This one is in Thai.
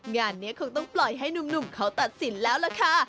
งานนี้คงต้องปล่อยให้หนุ่มเขาตัดสินแล้วล่ะค่ะ